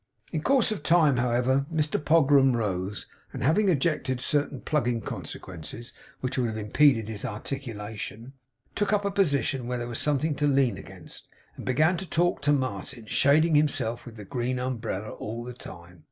In course of time, however, Mr Pogram rose; and having ejected certain plugging consequences which would have impeded his articulation, took up a position where there was something to lean against, and began to talk to Martin; shading himself with the green umbrella all the time.